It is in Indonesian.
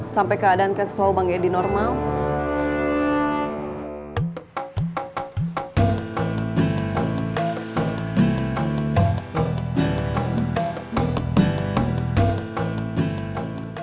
sampai keadaan cash flow bang edi normal